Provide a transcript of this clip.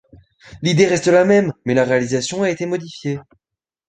L'idée reste la même, mais la réalisation a été modifiée.